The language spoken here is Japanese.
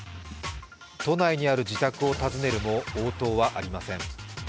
都内にある自宅を訪ねるも応答はありません。